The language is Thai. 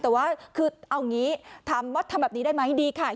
แต่ว่าคือเอางี้ถามว่าทำแบบนี้ได้ไหมดีค่ะ